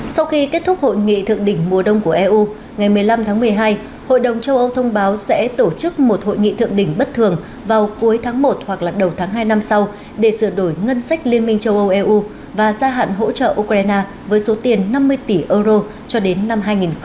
sau khi kết thúc hội nghị thượng đỉnh mùa đông của eu ngày một mươi năm tháng một mươi hai hội đồng châu âu thông báo sẽ tổ chức một hội nghị thượng đỉnh bất thường vào cuối tháng một hoặc đầu tháng hai năm sau để sửa đổi ngân sách liên minh châu âu eu và gia hạn hỗ trợ ukraine với số tiền năm mươi tỷ euro cho đến năm hai nghìn hai mươi